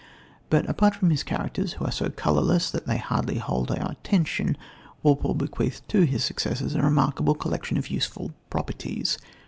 But apart from his characters, who are so colourless that they hardly hold our attention, Walpole bequeathed to his successors a remarkable collection of useful "properties."